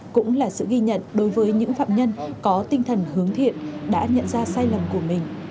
cũng là sự ghi nhận đối với những phạm nhân có tinh thần hướng dẫn đến đặc sá này